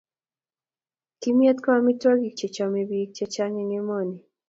Kimyet ko amitwokik chechomei bik chechang eng emoni